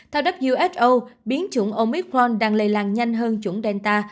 theo who biến chủng omicron đang lây lan nhanh hơn chủng delta